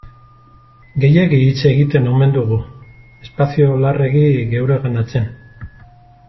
Gehiegi hitz egiten omen dugu, espazio larregi geureganatzen.